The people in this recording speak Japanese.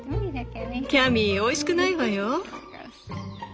キャミーおいしくないわよ。